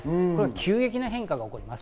急激な変化が起こります。